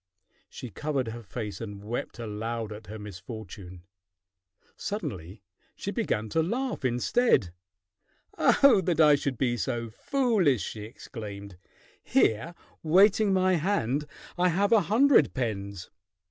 She covered her face and wept aloud at her misfortune. Suddenly she began to laugh instead. "Oh, that I should be so foolish!" she exclaimed. "Here waiting my hand I have a hundred pens."